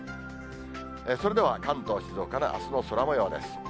それでは関東、静岡のあすの空もようです。